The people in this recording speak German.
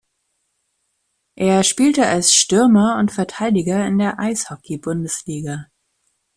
Er spielte als Stürmer und Verteidiger in der Eishockey-Bundesliga.